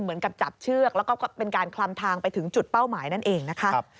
เหมือนกับจับเชือกแล้วก็เป็นการคลำทางไปถึงจุดเป้าหมายนั่นเองนะคะ